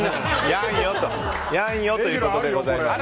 やんよということでございます。